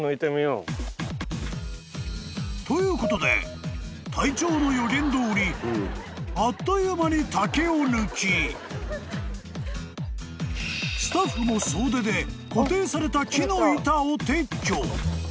［ということで隊長の予言どおりあっという間に竹を抜きスタッフも総出で固定された］